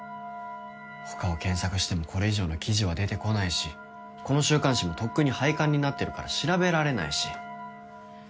他を検索してもこれ以上の記事は出てこないしこの週刊誌もとっくに廃刊になってるから調べられないし。